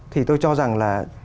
thì tôi cho rằng là